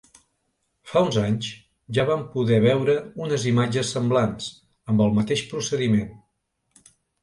Fa uns anys, ja vam poder veure unes imatges semblants, amb el mateix procediment.